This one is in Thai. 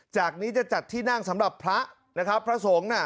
จากนี้จะจัดที่นั่งสำหรับพระนะครับพระสงฆ์น่ะ